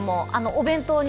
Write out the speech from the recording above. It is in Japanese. お弁当に